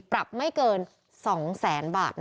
ปรับไม่เกิน๒๐๐แบบ